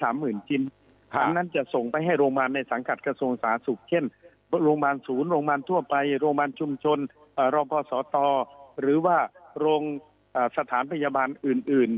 ดังนั้นจะส่งไปให้โรงพยาบาลในสังกัดกระทรวงสาธารณสุขเช่นโรงพยาบาลศูนย์โรงพยาบาลทั่วไปโรงพยาบาลชุมชนรองพศตหรือว่าโรงพยาบาลอื่น